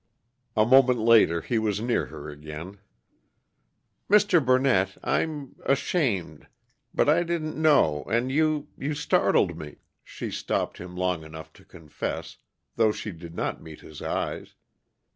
A moment later he was near her again. "Mr. Burnett, I'm ashamed but I didn't know, and you you startled me," she stopped him long enough to confess, though she did not meet his eyes.